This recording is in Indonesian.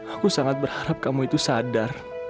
aku sangat berharap kamu itu sadar